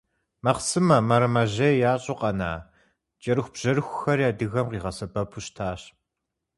Махъсымэ, мэрэмэжьей ящӀу къэна кӀэрыхубжьэрыхухэри адыгэм къигъэсэбэпу щытащ.